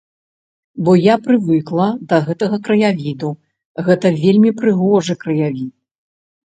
Бо я прывыкла да гэтага краявіду, гэта вельмі прыгожы краявід.